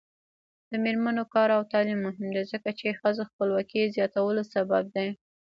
د میرمنو کار او تعلیم مهم دی ځکه چې ښځو خپلواکۍ زیاتولو سبب دی.